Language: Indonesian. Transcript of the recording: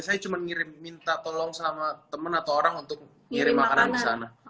saya cuma ngirim minta tolong sama temen atau orang untuk ngirim makanan ke sana